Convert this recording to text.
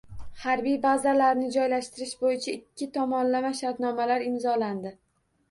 Harbiy bazalarni joylashtirish bo‘yicha ikki tomonlama shartnomalar imzolandi.